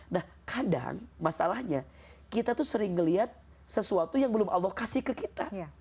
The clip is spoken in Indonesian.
nah kadang masalahnya kita tuh sering melihat sesuatu yang belum allah kasih ke kita